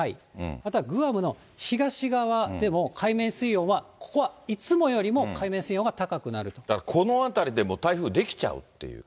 またグアムの東側でも海面水温はここはいつもよりも海面水温が高この辺りでもう台風が出来ちゃうっていう。